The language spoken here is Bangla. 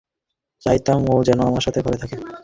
চাইতাম ও যেন আমার সাথে ঘরে থাকে।